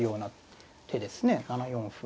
７四歩。